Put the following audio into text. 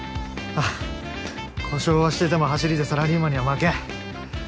あっ故障はしてても走りでサラリーマンには負けん。